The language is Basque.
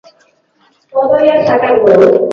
Batik bat Bilboko San Frantzisko auzoan kokatzen da.